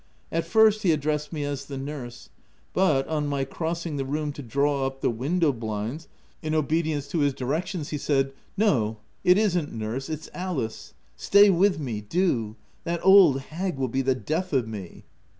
At first" 1 he addressed me as the nurse, but, on my crossing the room to draw up the window blinds, in obedience to his directions, he said —" No, it isn't nurse ; it's Alice. Stay with me do ! that old hag will be the death of me.